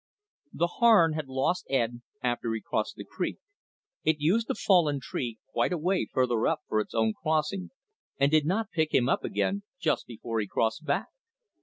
_The Harn had lost Ed after he crossed the creek it used a fallen tree quite a way further up for its own crossing and did not pick him up again until just before he crossed back.